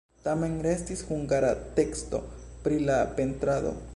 Same restis hungara teksto pri la pentrado.